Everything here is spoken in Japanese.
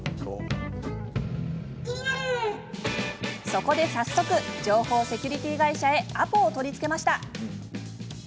そこで早速情報セキュリティー会社へアポを取りつけました。